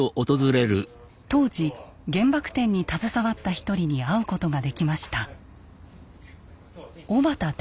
当時原爆展に携わった一人に会うことができました。